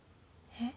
えっ？